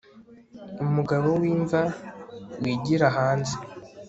Umugabo wimva wigira hanze